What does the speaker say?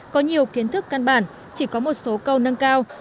có nhiều kiến thức căn bản chỉ có một số câu nâng cao